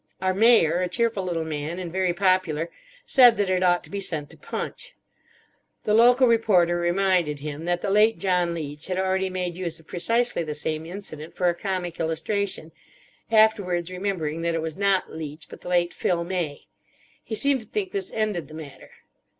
Our Mayor, a cheerful little man and very popular, said that it ought to be sent to Punch. The local reporter reminded him that the late John Leech had already made use of precisely the same incident for a comic illustration, afterwards remembering that it was not Leech, but the late Phil May. He seemed to think this ended the matter.